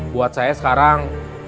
buat saya sekarang